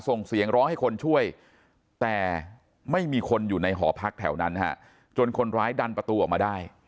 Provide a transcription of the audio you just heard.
ส่งเสียงร้องให้คนช่วยแต่ไม่มีคนอยู่ในหอพักแถวนั้นฮะจนคนร้ายดันประตูออกมาได้